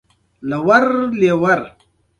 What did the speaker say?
دا هوټل د بیت المقدس د ښار په یوه آرامه کوڅه کې دی.